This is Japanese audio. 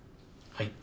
はい。